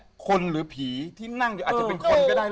สรุปตรงนั้นคนหรือผีนั่งเรายิ่งอาจเป็นคนก็ได้หรือเปล่า